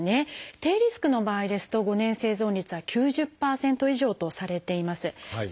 低リスクの場合ですと５年生存率は９０％以上とされています。